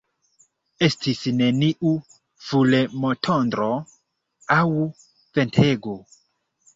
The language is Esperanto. Estis neniu fulmotondro aŭ ventego.